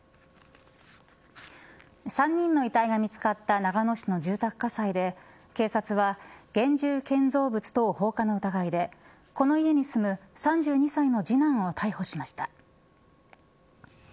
３人の遺体が見つかった長野市の住宅火災で警察は現住建造物等放火の疑いでこの家に住む、３２歳の次男を逮捕しました。